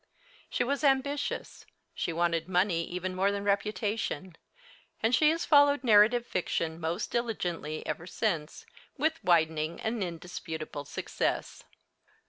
She was ambitious, she wanted money even more than reputation, and she has followed narrative fiction most diligently ever since, with widening and indisputable success.